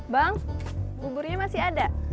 bang buburnya masih ada